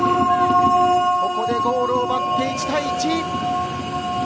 ここでゴールを奪って１対１。